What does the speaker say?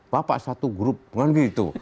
bapak satu grup kan begitu